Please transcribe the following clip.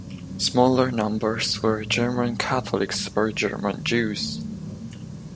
Smaller numbers were German Catholics or German Jews.